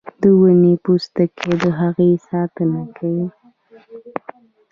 د ونې پوستکی د هغې ساتنه کوي